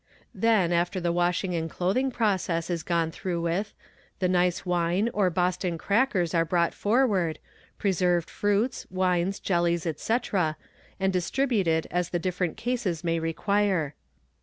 Then, after the washing and clothing process is gone through with, the nice wine or Boston crackers are brought forward, preserved fruits, wines, jellies, etc., and distributed as the different cases may require.